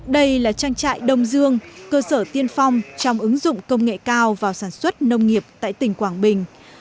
đây là trang trại đông dương cơ sở tiên phong trong ứng dụng công nghệ cao vào sản xuất nông nghiệp tại tỉnh quảng bình